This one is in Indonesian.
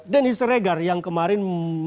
denny sregar yang kemarin